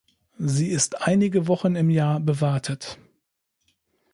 Sie ist einige Wochen im Jahr bewartet.